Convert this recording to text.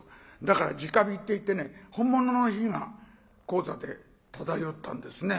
だからじか火っていって本物の火が高座で漂ったんですね。